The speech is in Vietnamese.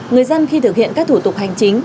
người dân khi thực hiện các thủ tục hành chính